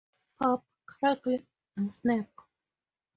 Pop, crackle and snap.